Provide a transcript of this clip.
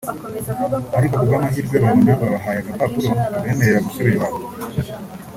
ariko ku bw’amahirwe babona babahaye agapapuro kabemerera gusubira iwabo